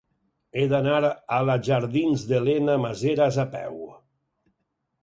He d'anar a la jardins d'Elena Maseras a peu.